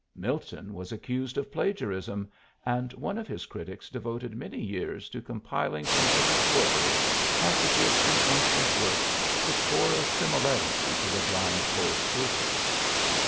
Milton was accused of plagiarism, and one of his critics devoted many years to compiling from every quarter passages in ancient works which bore a similarity to the blind poet's verses.